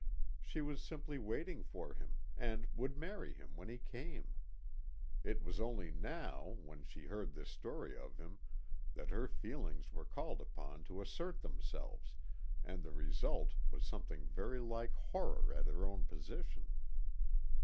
She was simply waiting for him, and would marry him when he came. It was only now, when she heard this story of him, that her feelings were called upon to assert themselves, and the result was something very like horror at her own position.